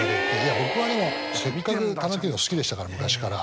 僕はでもせっかくタランティーノ好きでしたから昔から。